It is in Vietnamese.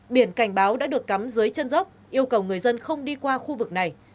biển cảnh báo đã được cắm dưới chân dốc yêu cầu người dân không đi qua khu vực này